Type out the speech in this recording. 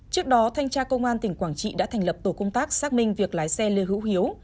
trước đó thanh tra công an tỉnh quảng trị đã thành lập tổ công tác xác minh việc lái xe lê hữu hiếu